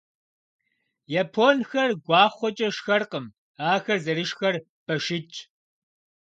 Японхэр гуахъуэкӏэ шхэркъым, ахэр зэрышхэр башитӏщ.